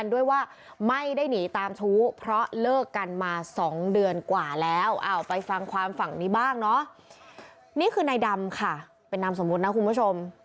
นี่คือนายดำค่ะเป็นนามสมมุตินะคุณผู้ชม